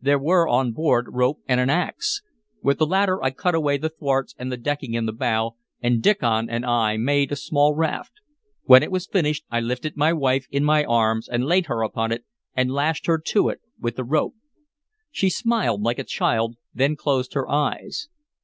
There were on board rope and an axe. With the latter I cut away the thwarts and the decking in the bow, and Diccon and I made a small raft. When it was finished, I lifted my wife in my arms and laid her upon it and lashed her to it with the rope. She smiled like a child, then closed her eyes.